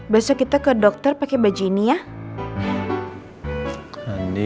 besok kita ke dokter pakai baju ini ya